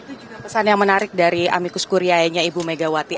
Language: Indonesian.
itu juga pesan yang menarik dari amikus kuryainya ibu megawati